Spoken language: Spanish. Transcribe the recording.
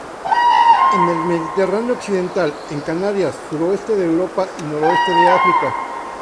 En el Mediterráneo occidental, en Canarias, suroeste de Europa y noroeste de África.